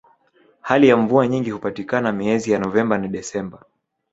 hali ya mvua nyingi hupatikana miezi ya novemba na desemba